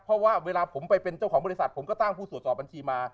เพราะว่าเวลาผมไปเป็นเจ้าของบริษัทผมก็ตั้งผู้ตรวจสอบบัญชีมา